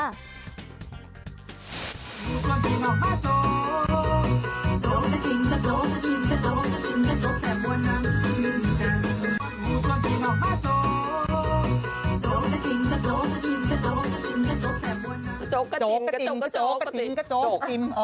จกกะจิ้มกะจกกะจกกะจิ้มกะจกกะจกกะจิ้ม